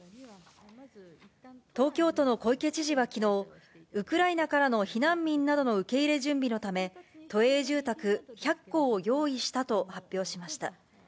東京都の小池知事はきのう、ウクライナからの避難民などの受け入れ準備のため、都営住宅１００戸を用意したと発表しました。